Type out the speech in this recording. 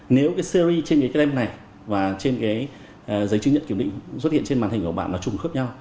nếu cái series trên cái tem này và trên cái giấy chứng nhận kiểm định xuất hiện trên màn hình của bạn nó trùng khớp nhau